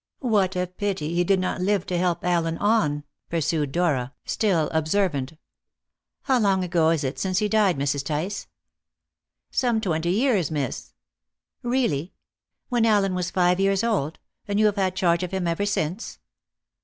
"What a pity he did not live to help Allen on!" pursued Dora, still observant; "how long ago is it since he died, Mrs. Tice?" "Some twenty years, miss." "Really! When Allen was five years old; and you have had charge of him ever since?"